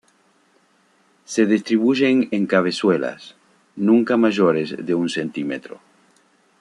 Se distribuyen en cabezuelas, nunca mayores de un centímetro.